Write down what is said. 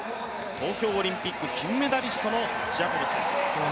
東京オリンピック金メダリストのジェイコブスです。